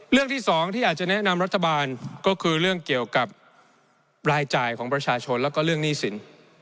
เรื่องที่สองที่อยากจะแนะนำรัฐบาลก็คือเรื่องเกี่ยวกับรายจ่ายของประชาชนแล้วก็เรื่องหนี้สิน